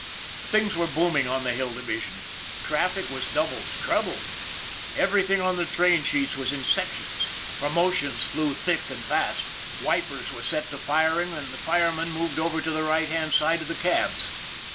Things were booming on the Hill Division. Traffic was doubled, trebled. Everything on the train sheets was in sections. Promotions flew thick and fast. Wipers were set to firing, and the firemen moved over to the right hand side of the cabs.